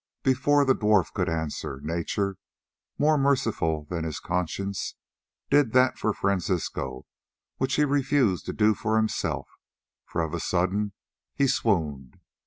Before the dwarf could answer, Nature, more merciful than his conscience, did that for Francisco which he refused to do for himself, for of a sudden he swooned.